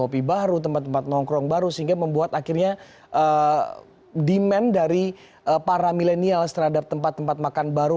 tempat tempat kopi baru tempat tempat nongkrong baru sehingga membuat akhirnya demand dari para millennials terhadap tempat tempat makan baru